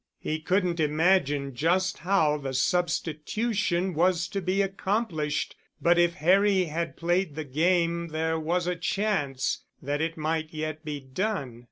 He couldn't imagine just how the substitution was to be accomplished, but if Harry had played the game there was a chance that it might yet be done.